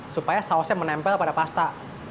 supaya sausnya menempel pada pasta